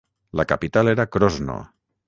La capital era Krosno.